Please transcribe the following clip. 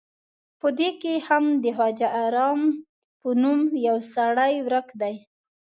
په دې کې هم د خواجه رام په نوم یو سړی ورک دی.